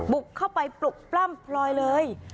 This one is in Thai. บุกเข้าไปปลุกปล้ำพลอยเลย